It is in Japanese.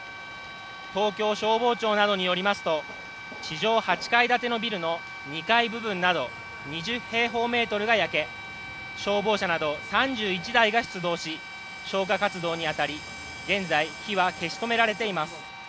東京消防庁などによりますと、地上８階建てのビルの２階部分など２０平方メートルが焼け消防車など３１台が出動し、消火活動に当たり現在、火は消し止められています。